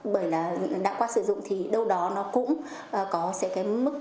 bởi là đã qua sử dụng thì đâu đó nó cũng có mức